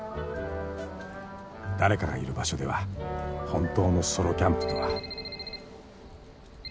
［誰かがいる場所では本当のソロキャンプとは］